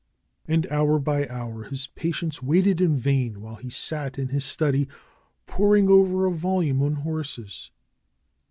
And hour by hour his patients waited in vain, while he sat in his study poring over a volume on horses.